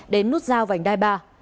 đến nút giao vành đai ba